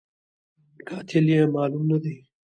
قاتل یې معلوم نه دی